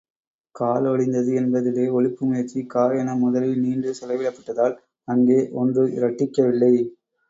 காலொடிந்தது என்பதிலே, ஒலிப்பு முயற்சி கா என முதலில் நீண்டு செலவிடப்பட்டதால், அங்கே ஒன்று இரட்டிக்கவில்லை.